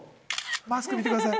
マスク見てください。